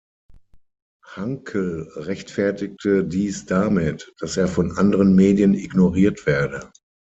Hankel rechtfertigte dies damit, dass er von anderen Medien ignoriert werde.